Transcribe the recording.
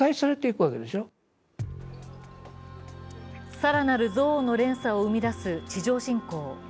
更なる増悪の連鎖を生み出す地上侵攻。